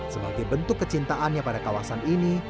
sebagai bentuk kecintaannya pada kawasan ini